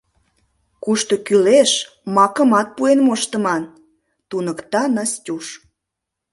Кушто кӱлеш — макымат пуэн моштыман, — туныкта Настюш.